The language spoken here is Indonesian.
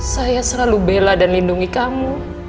saya selalu bela dan lindungi kamu